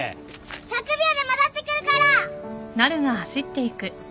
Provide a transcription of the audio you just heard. １００秒で戻ってくるから。